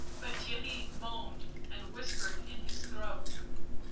But Theirry moaned and whispered in his throat.